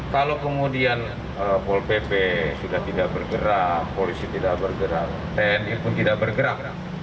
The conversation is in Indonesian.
kalau kemudian pol pp sudah tidak bergerak polisi tidak bergerak tni pun tidak bergerak